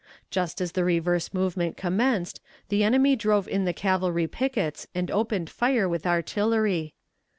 Just as the reverse movement commenced, the enemy drove in the cavalry pickets and opened fire with artillery.